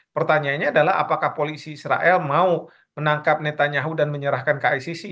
pertanyaannya adalah apakah polisi israel mau menangkap netanyahu dan menyerahkan ke icc